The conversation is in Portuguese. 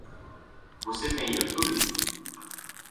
Você tem YouTube?